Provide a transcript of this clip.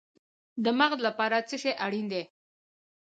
د مغز لپاره څه شی اړین دی؟